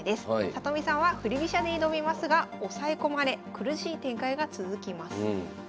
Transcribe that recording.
里見さんは振り飛車で挑みますが押さえ込まれ苦しい展開が続きます。